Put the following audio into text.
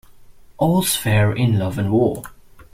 All's fair in love and war.